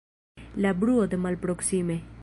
La bruo de malproksime.